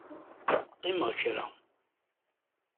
Qqimeɣ kra.